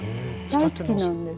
大好きなんです。